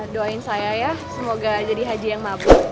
doain saya ya semoga jadi haji yang mabuk